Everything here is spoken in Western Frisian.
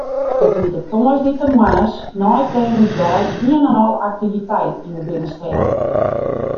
It wie de tongersdeitemoarns nei Keningsdei ien en al aktiviteit yn de binnenstêd.